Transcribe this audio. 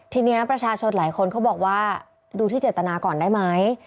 ทีนี้ประชาชนหลายคนเขาบอกว่าดูที่เจตนาก่อนได้ไหม